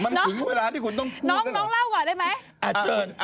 น้องเล่าก่อนได้ไหม